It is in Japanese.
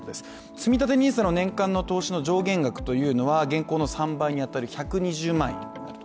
つみたてＮＩＳＡの年間の投資上限額というのは現行の３倍に当たる１２０万円になると。